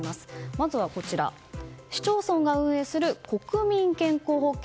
まずは、市町村が運営する国民健康保険。